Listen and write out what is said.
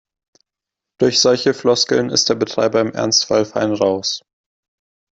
Durch solche Floskeln ist der Betreiber im Ernstfall fein raus.